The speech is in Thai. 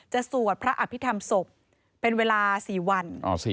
สวดพระอภิษฐรรมศพเป็นเวลา๔วัน